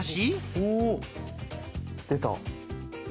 おお出た。